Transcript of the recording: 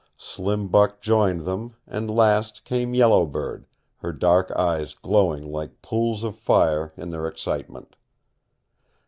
Slim Buck joined them, and last came Yellow Bird, her dark eyes glowing like pools of fire in their excitement.